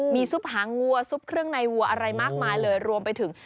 มีซุปหางวัวซุปเครื่องในวัวอะไรมากมายเลยรวมไปถึง